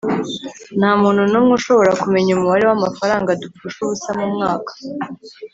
ntamuntu numwe ushobora kumenya umubare wamafaranga dupfusha ubusa mumwaka